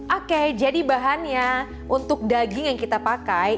oke jadi bahannya untuk daging yang kita pakai